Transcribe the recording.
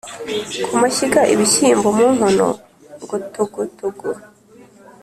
ku mashyiga ibishyimbo mu nkono ngo togotogo